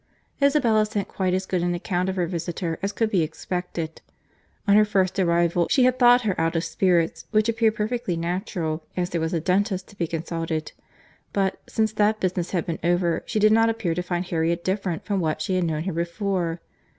Isabella sent quite as good an account of her visitor as could be expected; on her first arrival she had thought her out of spirits, which appeared perfectly natural, as there was a dentist to be consulted; but, since that business had been over, she did not appear to find Harriet different from what she had known her before.